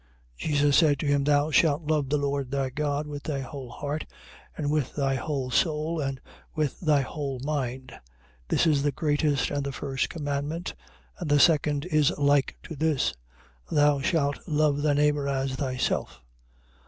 22:37. Jesus said to him: Thou shalt love the Lord thy God with thy whole heart and with thy whole soul and with thy whole mind. 22:38. This is the greatest and the first commandment. 22:39. And the second is like to this: Thou shalt love thy neighbour as thyself.